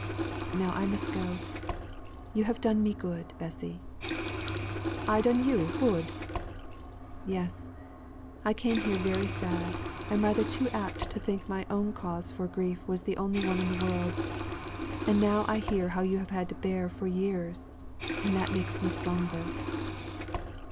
"Now I must go. You have done me good, Bessy." "I done you good!" "Yes, I came here very sad, and rather too apt to think my own cause for grief was the only one in the world. And now I hear how you have had to bear for years, and that makes me stronger."